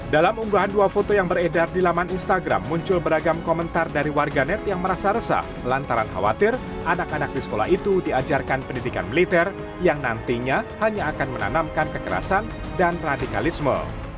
dalam unggahan dua foto yang beredar di laman instagram muncul beragam komentar dari warganet yang merasa resah lantaran khawatir anak anak di sekolah itu diajarkan pendidikan militer yang nantinya hanya akan menanamkan kekerasan dan radikalisme